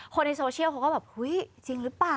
ในโซเชียลเขาก็แบบอุ๊ยจริงหรือเปล่า